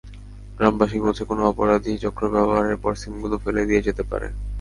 গ্রামবাসী বলছে, কোনো অপরাধী চক্র ব্যবহারের পরে সিমগুলো ফেলে দিয়ে যেতে পারে।